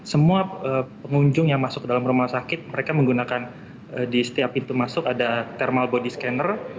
semua pengunjung yang masuk ke dalam rumah sakit mereka menggunakan di setiap pintu masuk ada thermal body scanner